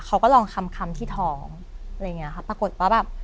เขาก็ลองคำคำที่ท้องอะไรอย่างเงี้ค่ะปรากฏว่าแบบ